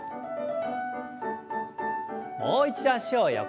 もう一度脚を横に。